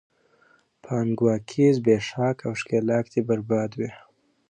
پانګواکي، زبېښاک او ښکېلاک دې برباد وي!